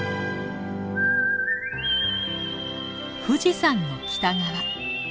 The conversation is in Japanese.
富士山の北側。